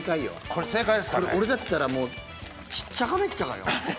これ俺だったらもうしっちゃかめっちゃかよ